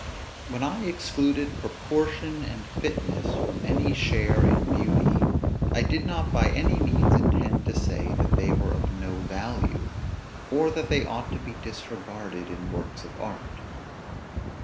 When I excluded proportion and fitness from any share in beauty, I did not by any means intend to say that they were of no value, or that they ought to be disregarded in works of art.